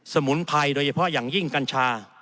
มุนไพรโดยเฉพาะอย่างยิ่งกัญชา